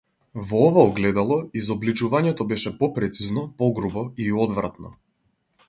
Во ова огледало изобличувањето беше попрецизно, погрубо, и одвратно.